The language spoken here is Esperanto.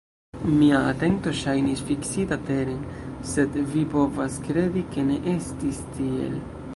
Mia atento ŝajnis fiksita teren, sed vi povas kredi, ke ne estis tiel.